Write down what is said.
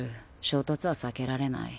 衝突は避けられない。